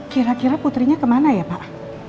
kira kira putrinya ke mana ya pak